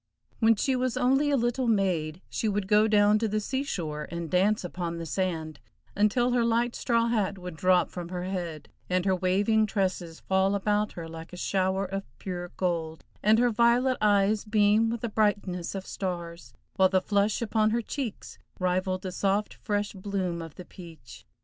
When she was only a little maid, she would go down to the sea shore and dance upon the sand, until her light straw hat would drop from her head, and her waving tresses fall about her like a shower of pure gold, and her violet eyes beam with the brightness of stars, while the flush upon her cheeks rivaled the soft, fresh bloom of the peach.